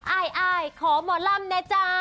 อ้ายอ้ายขอหมอลำเน่จ้า